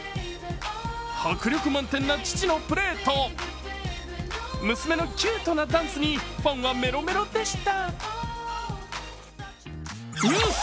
迫力満点な父のプレーと娘のキュートなダンスにファンはメロメロでした。